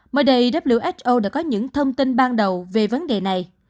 mọi đời who đã có những thông tin ban đầu về vấn đề này